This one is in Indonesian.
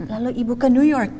lalu ibu ke new york